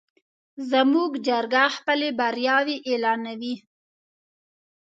زموږ چرګه خپلې بریاوې اعلانوي.